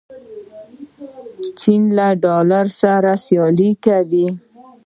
چین له ډالر سره سیالي کوي.